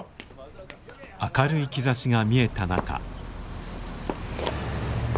明るい兆しが見えた中。